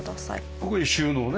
ここに収納ね。